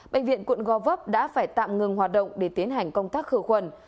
bệnh viện quận gò vấp đã phải tạm ngừng hoạt động để tiến hành công tác khử khuẩn